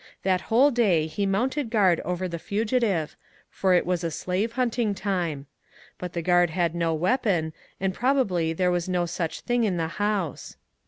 That whole day he mounted guard over the fugitive, for it was a slave hunting time. But the g^ard had no weapon, and probably there was no such* thing in the house.